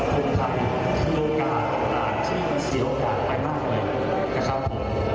คือโอกาสต่างที่เสียโอกาสไปมากเลยนะครับผม